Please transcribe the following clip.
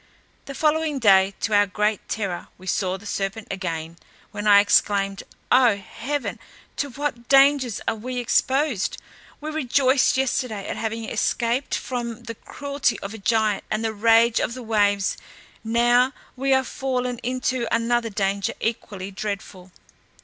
The following day, to our great terror, we saw the serpent again, when I exclaimed, "O heaven, to what dangers are we exposed! We rejoiced yesterday at having escaped from the cruelty of a giant and the rage of the waves, now are we fallen into another danger equally dreadful."